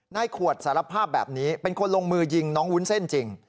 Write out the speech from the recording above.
ขวดสารภาพแบบนี้เป็นคนลงมือยิงน้องวุ้นเส้นจริง